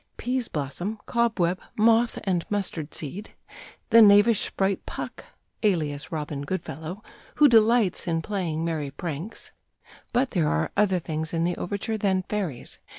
Peaseblossom, Cobweb, Moth, and Mustardseed; the knavish sprite Puck, alias Robin Goodfellow, who delights in playing merry pranks.... But there are other things in the overture than fairies.